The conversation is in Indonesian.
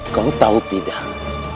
kau tahu tidak